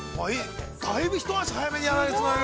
だいぶ一足早めに、やられてもらえる。